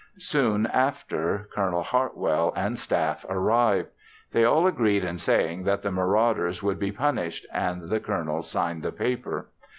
Soon after Col. Hartwell and staff arrived. They all agreed in saying that the marauders would be punished and the Colonel signed the paper.